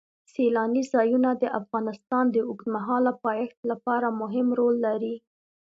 سیلانی ځایونه د افغانستان د اوږدمهاله پایښت لپاره مهم رول لري.